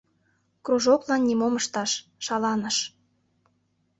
Кружоклан нимом ышташ — шаланыш.